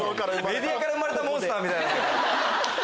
メディアから生まれたモンスターみたいな。